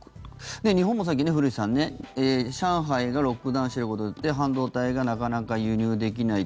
日本も最近、古市さん上海がロックダウンしてることで半導体がなかなか輸入できない。